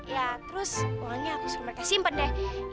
ya terus uangnya aku suruh mereka simpen deh